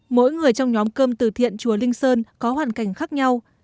mỗi người trong nhóm cơm từ thiện chùa linh sơn có hoàn cảnh khác nhau